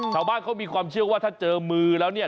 ชาวบ้านเขามีความเชื่อว่าถ้าเจอมือแล้วเนี่ย